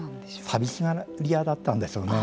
寂しがり屋だったんでしょうね。